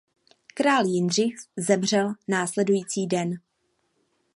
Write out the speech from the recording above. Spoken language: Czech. Král Jindřich zemřel následující den.